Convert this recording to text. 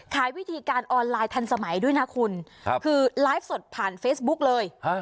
ขายวิธีการออนไลน์ทันสมัยด้วยนะคุณคือไลฟ์สดผ่านเฟซบุ๊กเลย